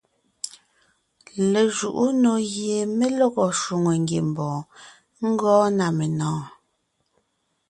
Lejuʼú nò gie mé lɔgɔ shwòŋo ngiembɔɔn gɔɔn na menɔ̀ɔn.